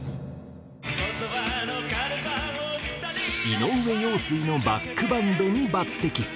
井上陽水のバックバンドに抜擢。